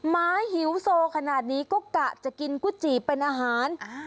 หมาหิวโซขนาดนี้ก็กะจะกินก๋วยจีบเป็นอาหาร